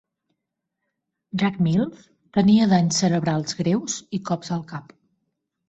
Jack Mills tenia danys cerebrals greus i cops al cap.